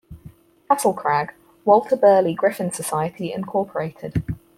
Castlecrag: Walter Burley Griffin Society Incorporated.